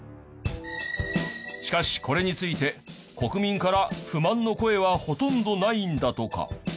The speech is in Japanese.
しかしこれについて国民から不満の声はほとんどないんだとか。